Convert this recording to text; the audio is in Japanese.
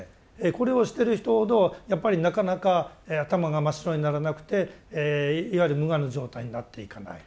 これをしてる人ほどやっぱりなかなか頭が真っ白にならなくていわゆる無我の状態になっていかない。